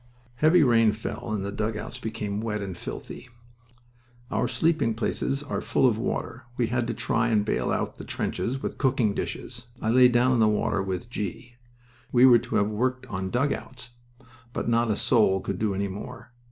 Heavy rain fell and the dugouts became wet and filthy. "Our sleeping places were full of water. We had to try and bail out the trenches with cooking dishes. I lay down in the water with G . We were to have worked on dugouts, but not a soul could do any more.